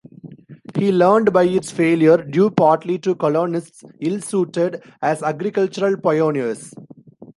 He learned by its failure, due partly to colonists ill-suited as agricultural pioneers.